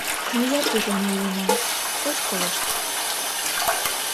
— Мыят тудлан ойленам, ыш колышт.